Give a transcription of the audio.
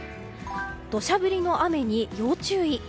土砂降りの雨に要注意。